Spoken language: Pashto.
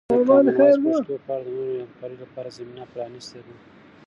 د کامن وایس پښتو په اړه د نورو همکاریو لپاره زمینه پرانیستې ده.